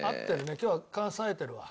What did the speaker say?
今日は勘さえてるわ。